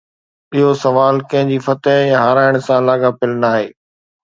اهو سوال ڪنهن جي فتح يا هارائڻ سان لاڳاپيل ناهي.